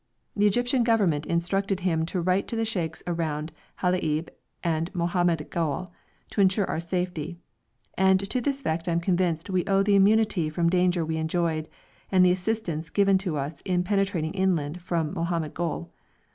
The Egyptian Government instructed him to write to the sheikhs around Halaib and Mohammed Gol to insure our safety, and to this fact I am convinced we owe the immunity from danger we enjoyed, and the assistance given to us in penetrating inland from Mohammed Gol.